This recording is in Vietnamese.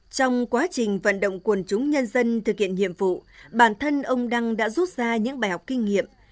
trong quá trình vận động quần chúng nhân dân thực hiện nhiệm vụ bản thân ông đăng đã rút ra những bài học kinh nghiệm